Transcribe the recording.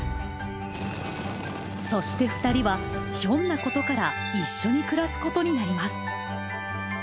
そしてふたりはひょんなことから一緒に暮らすことになります！